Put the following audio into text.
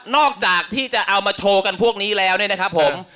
จากที่จะเอามาโชว์กันพวกนี้แล้วเนี่ยนะครับผม